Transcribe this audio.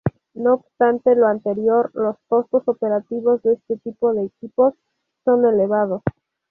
No obstante lo anterior, los costos operativos de este tipo de equipos son elevados.